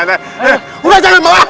enggak jangan pak